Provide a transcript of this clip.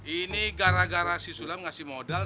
ini gara gara si sulam ngasih modal